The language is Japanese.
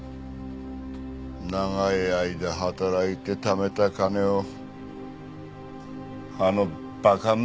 長い間働いて貯めた金をあの馬鹿娘が。